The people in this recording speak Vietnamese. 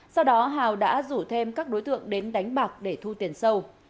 sau đó hào đã rủ thêm các đối tượng đến đánh bạc để thu tiền sâu